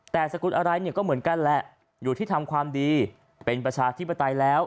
แต่สกุลอะไรเนี่ยก็เหมือนกันแหละอยู่ที่ทำความดีเป็นประชาธิปไตยแล้ว